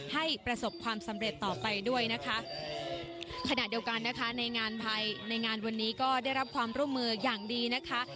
ให้ประสบความสำเร็จต่อไปด้วยนะคะ